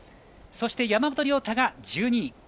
そして、山本涼太が１２位。